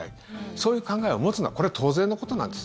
そういう考えを持つのはこれ、当然のことなんです。